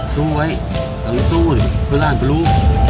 สู้ไว้ต้องสู้ด้วยเพื่อนร่างก็รู้